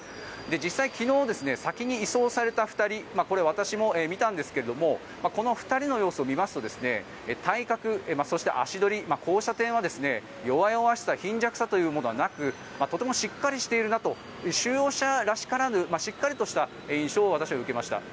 実際、昨日、先に移送された２人これ、私も見たんですがこの２人の様子を見ますと体格、そして足取りこうした点は弱々しさ、貧弱さというものはなくとてもしっかりしているなと収容者らしからぬしっかりとした印象を私は受けました。